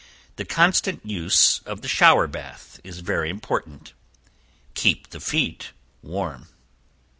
The constant use of the shower bath is very important. Keep the feet warm.